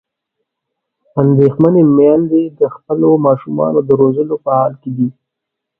اندېښمنې میندې د خپلو ماشومانو د روزلو په حال کې دي.